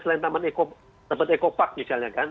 selain taman eco park misalnya kan